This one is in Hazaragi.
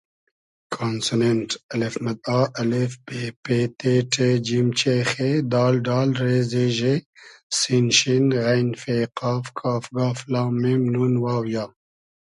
کانسونېنݖ: آ ا ب پ ت ݖ ج چ خ د ۮ ر ز ژ س ش غ ف ق ک گ ل م ن و ی